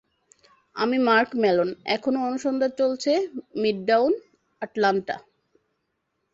আমি Mark Mellon, এখানো অনুসন্ধান চলছে, মিডটাউন আটলান্টা।